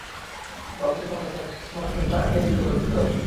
পরবর্তী সময়ে সেটা ইসমাতের ঘরে পড়ার টেবিল হিসেবে ব্যবহৃত হতে থাকে।